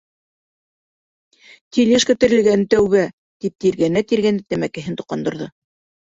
Тележка терелгән, тәүбә... — тип тиргәнә-тиргәнә тәмәкеһен тоҡандырҙы.